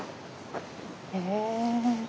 へえ。